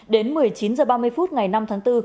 đến một mươi chín h ba mươi phút ngày năm tháng bốn